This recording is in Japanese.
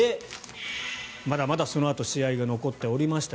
まだまだそのあと試合が残っておりました。